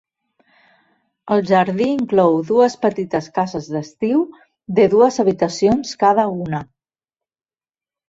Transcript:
El jardí inclou dues petites cases d'estiu de dues habitacions cada una.